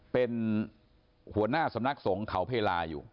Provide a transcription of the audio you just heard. เป็นหัวหน้าสำนักสงฆ์เขาเพลาอยู่